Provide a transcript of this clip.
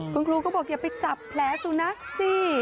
คุณครูก็บอกอย่าไปจับแผลสุนัขสิ